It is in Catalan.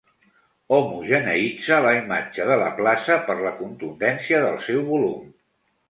Homogeneïtza la imatge de la plaça per la contundència del seu volum.